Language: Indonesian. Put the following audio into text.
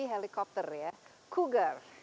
helikopter ya cougar